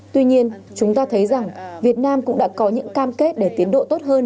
tuy nhiên chúng ta thấy rằng việt nam cũng đã có những cam kết để tiến độ tốt hơn